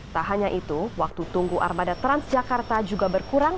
tak hanya itu waktu tunggu armada transjakarta juga berkurang